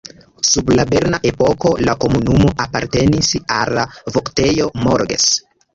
Sub la berna epoko la komunumo apartenis al la Voktejo Morges.